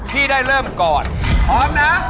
พี่ได้เริ่มก่อน